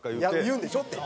「言うでしょ」って。